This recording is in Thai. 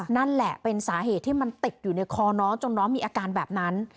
นั่นแหละเป็นสาเหตุที่มันติดอยู่ในคอน้องจนน้องมีอาการแบบนั้น